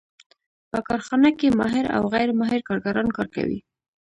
په کارخانه کې ماهر او غیر ماهر کارګران کار کوي